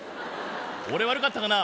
俺悪かったかな？